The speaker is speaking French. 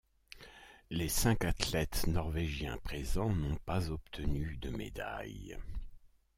Les cinq athlètes norvégiens présents n'ont pas obtenu de médaille.